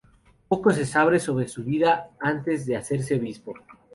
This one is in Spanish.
Poco se sabe sobre su vida antes de hacerse obispo.